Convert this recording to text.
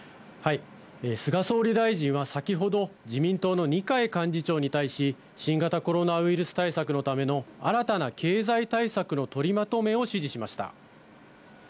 菅総理大臣は先ほど、自民党の二階幹事長に対し、新型コロナウイルス対策のための新たな経済対策の取りまとめを指示しました。